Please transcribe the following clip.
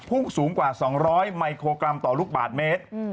พุ่งสูงกว่า๒๐๐มิโครกรัมต่อลูกบาทเมตร